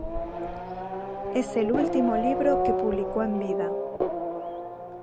Es el último libro que publicó en vida.